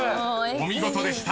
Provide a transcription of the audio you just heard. ［お見事でした。